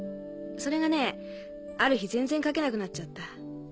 それがねある日全然描けなくなっちゃった。